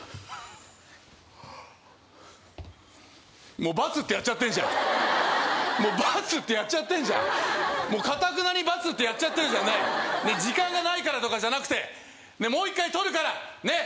もうバツってやっちゃってんじゃんもうバツってやっちゃってんじゃんもうかたくなにバツってやっちゃってるじゃんねえ時間がないからとかじゃなくてねえもう一回録るからねえ